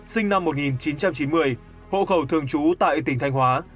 sinh năm một nghìn chín trăm chín mươi hộ khẩu thường trú tại tỉnh thanh hóa